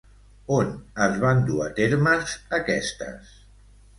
On es van dur a termes aquestes?